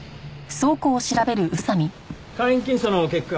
簡易検査の結果